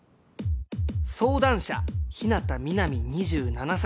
相談者・日向みなみ２７歳。